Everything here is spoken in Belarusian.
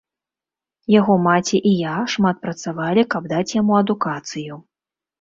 Яго маці і я шмат працавалі, каб даць яму адукацыю.